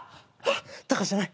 タカシじゃない。